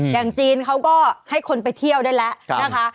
อย่างจีนเขาก็ให้คนไปเที่ยวได้แล้วนะคะ